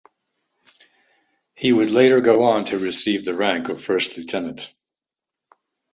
He would later go on to receive the rank of first lieutenant.